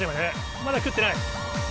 まだ食ってない？